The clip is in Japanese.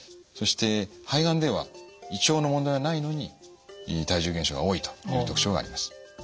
そして肺がんでは胃腸の問題はないのに体重減少が多いという特徴があります。